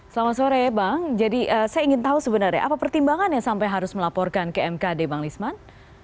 selamat sore bang jadi saya ingin tahu sebenarnya apa pertimbangannya sampai harus melaporkan ke mkd bang lisman